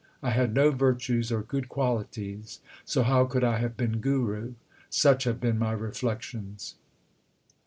I had no virtues or good qualities, so how could I have been Guru ? Such have been my reflections.